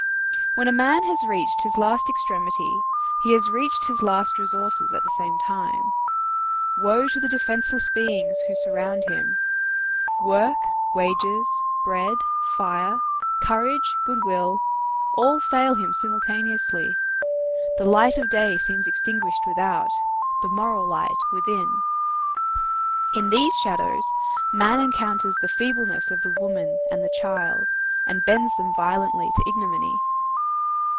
When a man has reached his last extremity, he has reached his last resources at the same time. Woe to the defenceless beings who surround him! Work, wages, bread, fire, courage, good will, all fail him simultaneously. The light of day seems extinguished without, the moral light within; in these shadows man encounters the feebleness of the woman and the child, and bends them violently to ignominy.